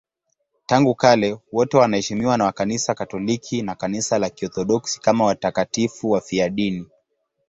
Tangu kale wote wanaheshimiwa na Kanisa Katoliki na Kanisa la Kiorthodoksi kama watakatifu wafiadini.